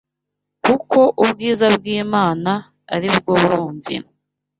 kuko ubwiza bw’Imana ari bwo buruvira